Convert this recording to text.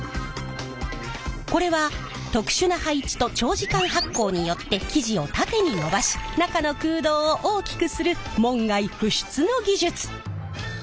これは特殊な配置と長時間発酵によって生地を縦に伸ばし中の空洞を大きくする門外不出の技術！